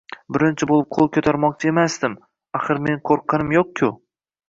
Birinchi boʻlib qoʻl koʻtarmoqchi emasdim – axir men qoʻrqqanim yoʻq-ku!